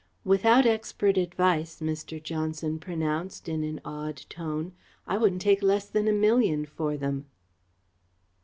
"Without expert advice," Mr. Johnson pronounced, in an awed tone, "I wouldn't take less than a million for them."